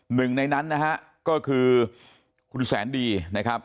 หนึ่งในนั้นนะฮะก็คือคุณแสนดีนะครับ